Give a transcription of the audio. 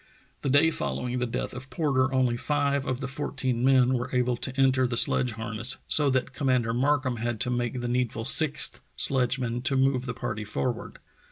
The day following the death of Porter only five of the fourteen men were able to enter the sledge harness, so that Commander Markham had to make the needful sixth sledgeman to move the party forward.